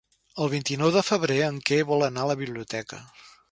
El vint-i-nou de febrer en Quer anirà a la biblioteca.